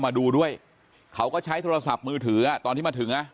มาดูด้วยเขาก็ใช้โทรศัพท์มือถืออ่ะตอนที่มาถึงอ่ะ